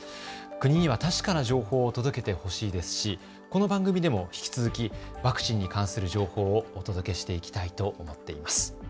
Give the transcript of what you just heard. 国には確かな情報を届けてほしいですし、この番組でも引き続きワクチンに関する情報をお届けしていきたいと思っています。